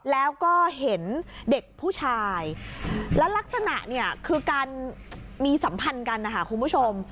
แล้วก็เห็นเด็กผู้ชายแล้วลักษณะเนี่ยคือการมีสัมพันธ์กันนะคะคุณผู้ชม